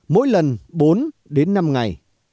mỗi lần bốn đến năm ngày